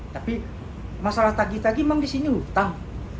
tapi masalah tagi tagi mengisi hutang